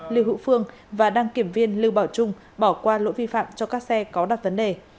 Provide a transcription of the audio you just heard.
lưu hữu phương và đăng kiểm viên lưu bảo trung bỏ qua lỗi vi phạm cho các xe có đặt vấn đề